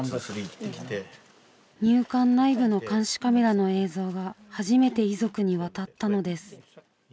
入管内部の監視カメラの映像が初めて遺族に渡ったのです。